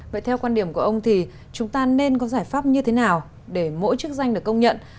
vậy theo quan điểm của ông thì chúng ta nên có giải pháp như thế nào để mỗi chức danh được công nhận